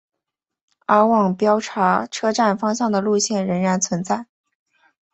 而往标茶车站方向的路线仍然存在。